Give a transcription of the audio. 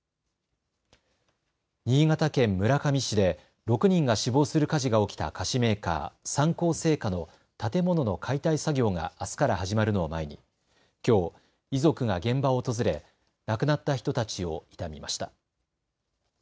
新潟県村上市で６人が死亡する火事が起きた菓子メーカー三幸製菓の建物の解体作業があすから始まるのを前にきょう遺族が現場を訪れ亡くなった人たちを悼みました。